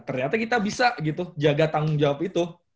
ternyata kita bisa gitu jaga tanggung jawab itu